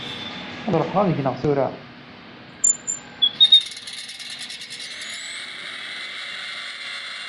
Ad ruḥeɣ ad gneɣ tura.